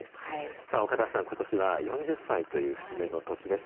さあ、岡田さん、ことしは４０歳という節目の年です。